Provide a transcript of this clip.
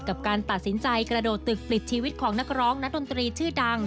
กับการตัดสินใจกระโดดตึกปลิดชีวิตของนักร้องนักดนตรีชื่อดัง